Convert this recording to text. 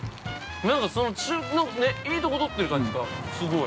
◆なんか、いいとこ取ってる感じがすごい。